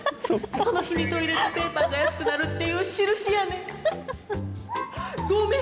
その日にトイレットペーパーが安くなるっていう印やねん。